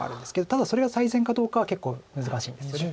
ただそれが最善かどうかは結構難しいんですよね。